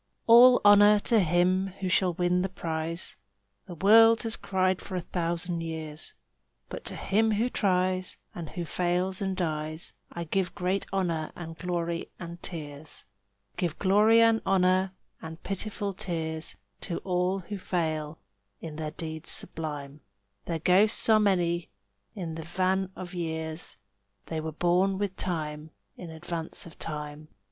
"All honor to him who shall win the prize," The world has cried for a thousand years; But to him who tries, and who fails and dies, I give great honor and glory and tears; Give glory and honor and pitiful tears To all who fail in their deeds sublime; Their ghosts are many in the van of years, They were born with Time, in advance of Time.